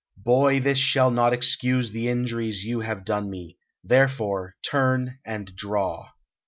"Boy, this shall not excuse the injuries you have done me. Therefore turn and draw."